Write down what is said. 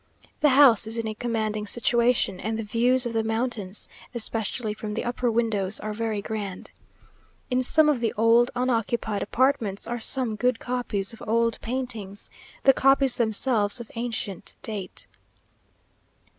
The house is in a commanding situation, and the views of the mountains, especially from the upper windows, are very grand. In some of the old, unoccupied apartments, are some good copies of old paintings, the copies themselves of ancient date.